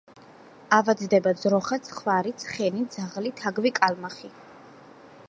ავადდება ძროხა, ცხვარი, ცხენი, ძაღლი, თაგვი, კალმახი.